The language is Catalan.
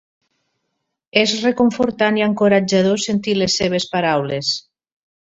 És reconfortant i encoratjador sentir les seves paraules.